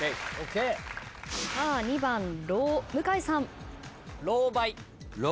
さあ２番「ろ」向井さん。